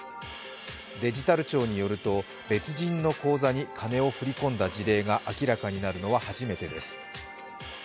デジタル庁によると、別人の口座に金を振り込んだ事例が明らかになるのは初めてです。